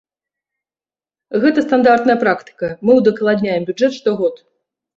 Гэта стандартная практыка, мы ўдакладняем бюджэт штогод.